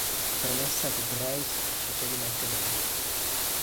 Promessa che Bryce accettò di mantenere.